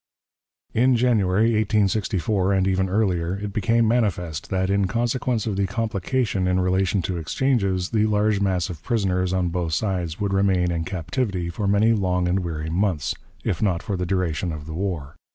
In January, 1864, and even earlier, it became manifest that, in consequence of the complication in relation to exchanges, the large mass of prisoners on both sides would remain in captivity for many long and weary months, if not for the duration of the war.